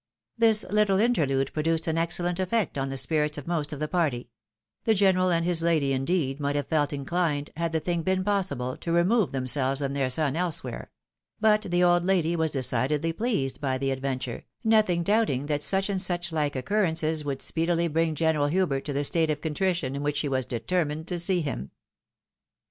This little interlude produced an excellent effect on the spirits of most of the party ; the general and his lady, indeed, might have felt inclined, had the thing been possible, to remove themselves and their son elsewhere ; but the old lady was decidedly pleased by the adventure, nothing doubting that such and such hke occurences would speedily bring General Hubert to the state of oontrition in which she was determined to see him.